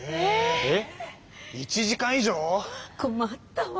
えっ！